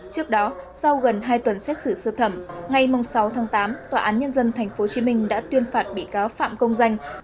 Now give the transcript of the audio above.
trước đó sau gần hai tuần xét xử sơ thẩm ngày sáu tháng tám tòa án nhân dân tp hcm đã tuyên phạt bị cáo phạm công danh